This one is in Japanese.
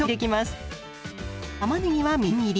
たまねぎはみじん切り。